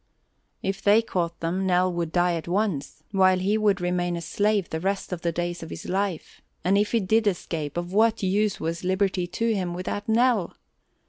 If they caught them Nell would die at once, while he would remain a slave the rest of the days of his life; and if he did escape of what use was liberty to him without Nell?